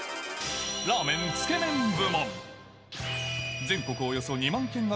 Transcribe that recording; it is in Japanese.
ラーメン・つけ麺部門。